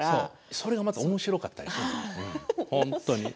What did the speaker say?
それがまたおもしろかったりするの本当に。